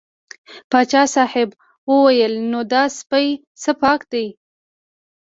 پاچا صاحب وویل نو دا سپی څه پاک دی.